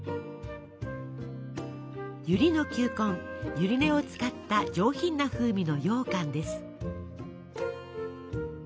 ゆりの球根ゆり根を使った上品な風味のようかんです。